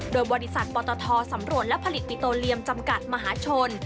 โดยบริษัทปตทสำรวจและผลิตปิโตเรียมจำกัดมหาชน